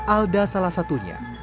alda salah satunya